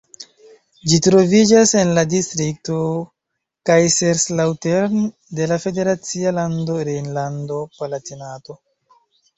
Ĝi troviĝas en la distrikto Kaiserslautern de la federacia lando Rejnlando-Palatinato.